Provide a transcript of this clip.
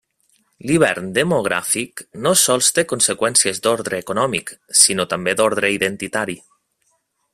L'hivern demogràfic no sols té conseqüències d'ordre econòmic, sinó també d'ordre identitari.